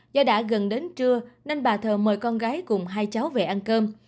do đã gần đến trưa nên bà thợ mời con gái cùng hai cháu về ăn cơm